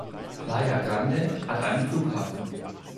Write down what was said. Playa Grande hat einen Flughafen.